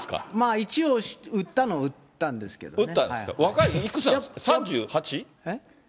一応、打ったのは打ったんですけどね。